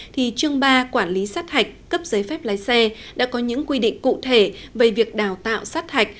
thì chương ba quản lý sát hạch cấp giấy phép lái xe đã có những quy định cụ thể về việc đào tạo sát hạch